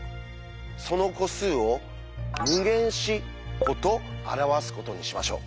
その個数を「∞自」個と表すことにしましょう。